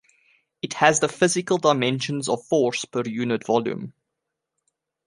It has the physical dimensions of force per unit volume.